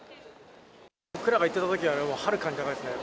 僕らが行ってたときよりはるかに高いですね。